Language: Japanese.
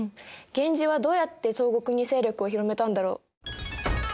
源氏はどうやって東国に勢力を広めたんだろう？